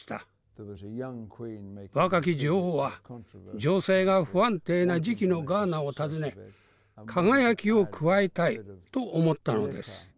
若き女王は情勢が不安定な時期のガーナを訪ね輝きを加えたいと思ったのです。